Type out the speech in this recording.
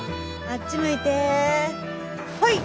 あっち向いてホイ！